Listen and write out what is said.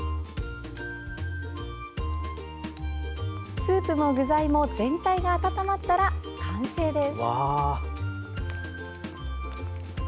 スープも具材も全体が温まったら、完成です。